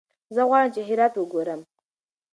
زه غواړم چې هرات وګورم.